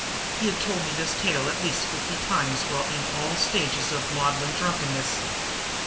He had told me this tale at least fifty times while in all stages of maudlin drunkenness.